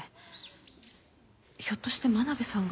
ひょっとして真鍋さんが。